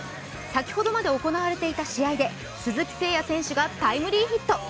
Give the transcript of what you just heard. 先ほどまで行われていた試合で鈴木誠也選手がタイムリーヒット。